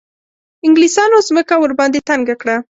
انګلیسیانو مځکه ورباندې تنګه کړه.